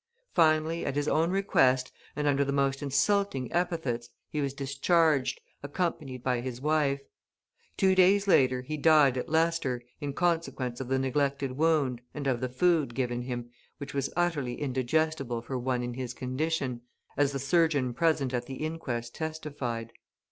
Finally, at his own request, and under the most insulting epithets, he was discharged, accompanied by his wife. Two days later he died at Leicester, in consequence of the neglected wound and of the food given him, which was utterly indigestible for one in his condition, as the surgeon present at the inquest testified.